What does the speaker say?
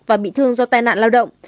và bị thương do tai nạn lao động